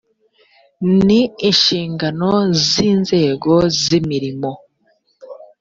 ni inshingano z’ inzego z’ imirimo